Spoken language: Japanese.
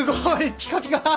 ピカピカ！